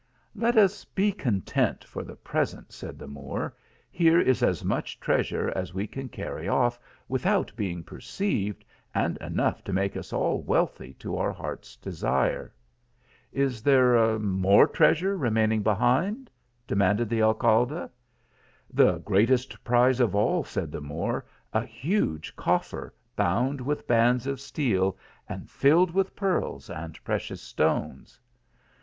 "Let us be content for the present," said the Moor ;" here is as much treasure as we can carry off without being perceived, and enough to make us ail wealthy to our heart s desire." " Is there more treasure remaining thind ?" de manded the Alcalde. "The greatest prize of all," said tie Moor ; "a huge coffer, bound with bands of steel, and filled with pearls and precious stones."